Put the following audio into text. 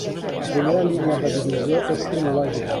La primera línia de divisió és cronològica.